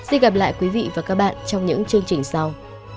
xin hẹn gặp lại quý vị và các bạn trong những chương trình sau